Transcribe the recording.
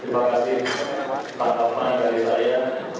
terima kasih tanggapan dari saya